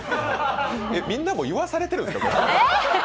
みんなも言わされてるんですか？